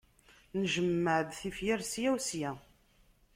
Njemmeɛ-d tifyar ssya u ssya.